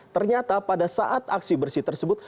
ternyata pada saat aksi bersih tersebut